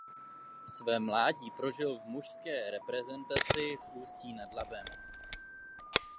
Své mládí prožil v mužské reprezentaci v Ústí nad Labem.